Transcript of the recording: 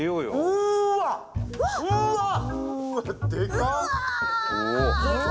うわっうわっ！